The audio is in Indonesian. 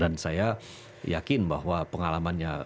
dan saya yakin bahwa pengalamannya